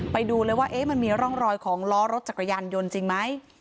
ไปดูเลยว่ามันมีร่องรอยของล้อรถจักรยานยนต์จริงไหม